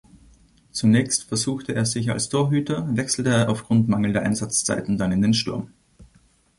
Zunächst versuchte er sich als Torhüter, wechselte aufgrund mangelnder Einsatzzeiten dann in den Sturm.